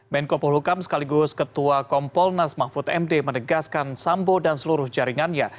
menko polhukam sekaligus ketua kompolnas mahfud md menegaskan sambo dan seluruh jaringannya